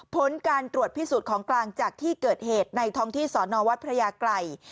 ผลการตรวจพิสูจน์ของกลางจากที่เกิดเหตุในท้องที่สอนอวัดพระยาไกร